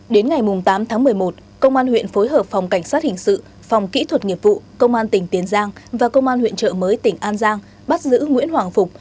đến ngày tám tháng một mươi một công an huyện phối hợp phòng cảnh sát hình sự phòng kỹ thuật nghiệp vụ công an tỉnh tiền giang và công an huyện trợ mới tỉnh an giang bắt giữ nguyễn hoàng phục